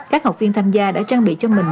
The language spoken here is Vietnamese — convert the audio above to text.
các học viên tham gia đã trang bị cho mình